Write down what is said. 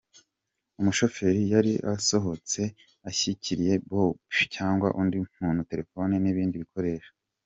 Umushoferi yari asohotse ashyiriye Bobi cyangwa undi muntu telefoni n’ibindi bikoresho.”